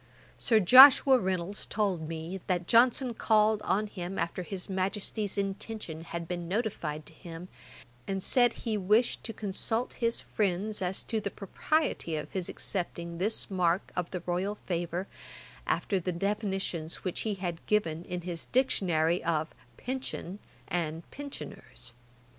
Sir Joshua Reynolds told me, that Johnson called on him after his Majesty's intention had been notified to him, and said he wished to consult his friends as to the propriety of his accepting this mark of the royal favour, after the definitions which he had given in his Dictionary of pension and pensioners.